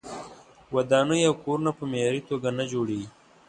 ودانۍ او کورونه په معیاري توګه نه جوړیږي.